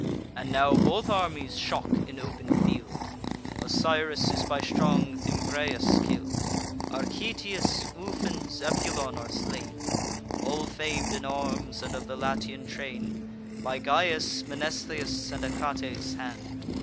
And now both armies shock in open field; Osiris is by strong Thymbraeus kill'd. Archetius, Ufens, Epulon, are slain (All fam'd in arms, and of the Latian train) By Gyas', Mnestheus', and Achates' hand.